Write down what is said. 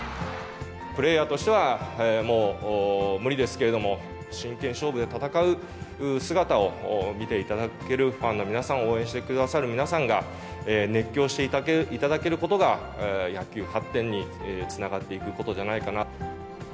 プレーヤーとしてはもう無理ですけれども、真剣勝負で戦う姿を見ていただけるファンの皆さん、応援してくださる皆さんが熱狂していただけることが、野球発展につながっていくことじゃないかなと。